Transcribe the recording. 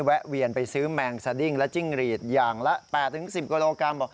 แวะเวียนไปซื้อแมงซาดิ้งและจิ้งรีดอย่างละ๘๑๐กโลกรัม